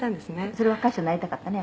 「それは歌手になりたかったの？